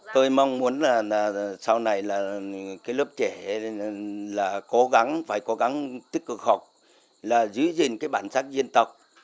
tôi mong muốn là sau này là cái lớp trẻ là cố gắng phải cố gắng tích cực học là giữ gìn cái bản sắc dân tộc